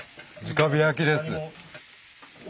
じか火焼きです。